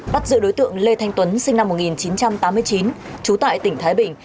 bắt giữ đối tượng lê thanh tuấn sinh năm một nghìn chín trăm tám mươi chín trú tại tỉnh thái bình